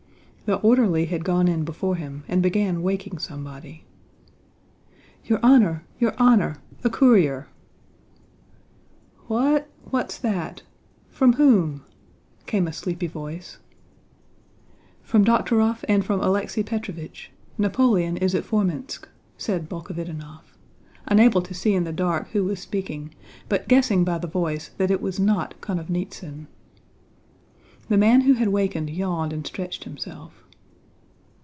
The orderly had gone in before him and began waking somebody. "Your honor, your honor! A courier." "What? What's that? From whom?" came a sleepy voice. "From Dokhtúrov and from Alexéy Petróvich. Napoleon is at Formínsk," said Bolkhovítinov, unable to see in the dark who was speaking but guessing by the voice that it was not Konovnítsyn. The man who had wakened yawned and stretched himself.